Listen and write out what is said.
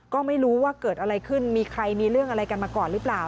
ก็ไม่รู้ว่าเกิดอะไรขึ้นมีใครมีเรื่องอะไรกันมาก่อนหรือเปล่า